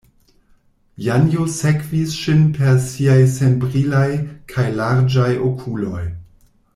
Janjo sekvis ŝin per siaj senbrilaj kaj larĝaj okuloj.